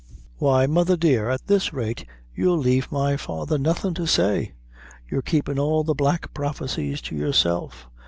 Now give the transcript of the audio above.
"Why, mother, dear, at this rate you'll leave my father nothin' to say. You're keepin' all the black prophecies to yourself.